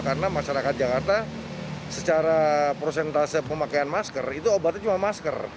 karena masyarakat jakarta secara prosentase pemakaian masker itu obatnya cuma masker